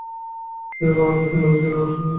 এইরূপেই মানবজাতি উন্নতির দিকে অগ্রসর হইয়া থাকে।